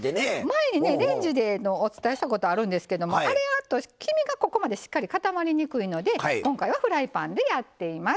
前にねレンジのお伝えしたことあるんですけどもあれやと黄身がここまでしっかり固まりにくいので今回はフライパンでやっています。